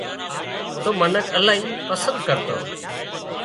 توئي منک الاهي پسند ڪرتان